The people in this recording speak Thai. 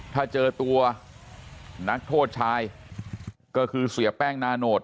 ถ้าเจอตัวนักโทษชายก็คือเสียแป้งนาโนต